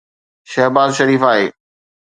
شهباز شريف آهي.